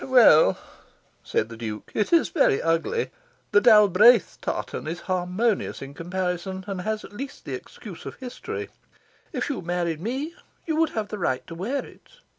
"Well," said the Duke, "it is very ugly. The Dalbraith tartan is harmonious in comparison, and has, at least, the excuse of history. If you married me, you would have the right to wear it.